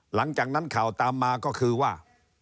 หลังจากนั้นข่าวตามมาก็คือว่า